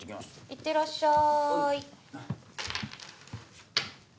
いってらっしゃい。